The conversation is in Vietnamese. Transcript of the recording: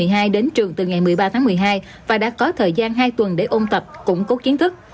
học sinh lớp chín lớp một mươi hai đến trường từ ngày hôm nay đã có thời gian hai tuần để ôn tập củng cố kiến thức